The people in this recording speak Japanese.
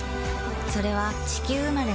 それは地球生まれの透明感